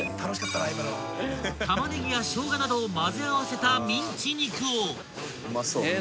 ［玉ねぎやショウガなどを混ぜ合わせたミンチ肉を］